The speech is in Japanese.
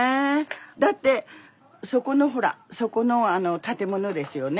だってそこのほらそこの建物ですよね。